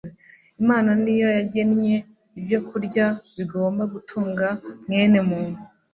imana ni yo yagennye ibyokurya bigomba gutunga mwene muntu